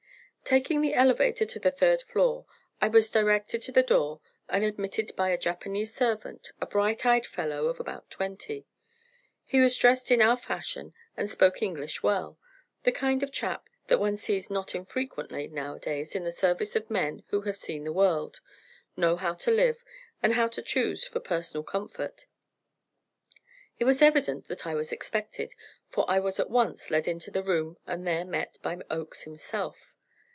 Taking the elevator to the third floor, I was directed to the door and admitted by a Japanese servant, a bright eyed fellow of about twenty. He was dressed in our fashion and spoke English well the kind of a chap that one sees not infrequently nowadays in the service of men who have seen the world, know how to live, and how to choose for personal comfort. It was evident that I was expected, for I was at once led into the front room and there met by Oakes himself.